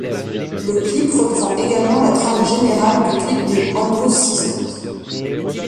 Le clip reprend également la trame générale du clip des Andrew Sisters.